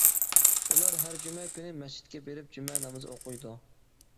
ئۇلار ھەر جۈمە كۈنى مەسچىتكە بېرىپ، جۈمە نامىزى ئوقۇيدۇ.